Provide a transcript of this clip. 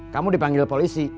kamu dipanggil polisi